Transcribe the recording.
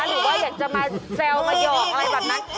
หรือว่าอยากจะมาแซวมาหยอกอะไรแบบนั้น